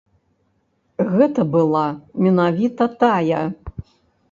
Гэта была менавіта тая.